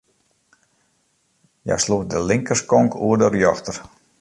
Hja sloech de linkerskonk oer de rjochter.